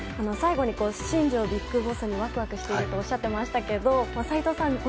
最後に、新庄ビッグボスにワクワクしているとおっしゃっていましたけど齋藤さん